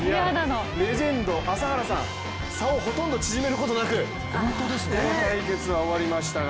レジェンド、朝原さん、差をほとんど縮めることなくこの対決終わりました。